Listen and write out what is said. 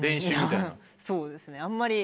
いやそうですねあんまり。